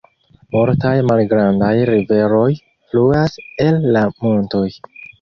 Multaj malgrandaj riveroj fluas el la montoj.